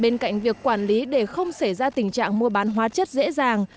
bên cạnh việc quản lý để không xảy ra tình trạng mua bán hóa chất dễ dàng